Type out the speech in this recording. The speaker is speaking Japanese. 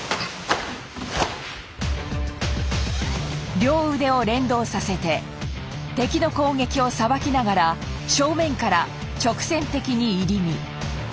両腕を連動させて敵の攻撃を捌きながら正面から直線的に入り身。